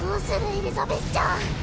エリザベスちゃん。